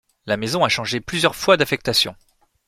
La maison a changé plusieurs fois d'affectation.